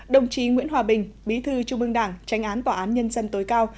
đồng chí nguyễn hòa bình bí thư trung ương đảng tránh án tòa án nhân dân tối cao